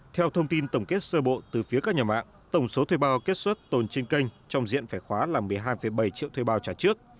theo thông tin tổng kết sơ bộ từ phía các nhà mạng tổng số thuê bao kết xuất tồn trên kênh trong diện phải khóa là một mươi hai bảy triệu thuê bao trả trước